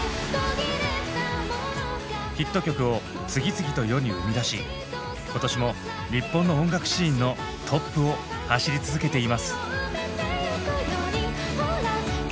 ヒット曲を次々と世に生み出し今年も日本の音楽シーンのトップを走り続けています。